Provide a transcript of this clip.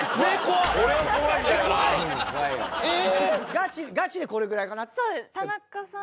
ガチガチでこれぐらいかなって。